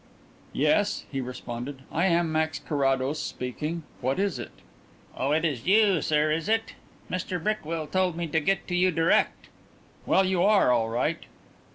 "Yes," he responded; "I am Max Carrados speaking. What is it?" "Oh, it is you, sir, is it? Mr Brickwill told me to get to you direct." "Well, you are all right.